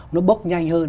nó bốc nhanh hơn